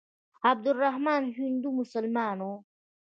عبدالرحمن هندو مسلمان وو.